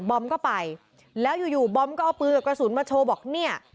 อมก็ไปแล้วอยู่อยู่บอมก็เอาปืนกับกระสุนมาโชว์บอกเนี่ย